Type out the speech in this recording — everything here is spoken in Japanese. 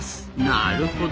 なるほど！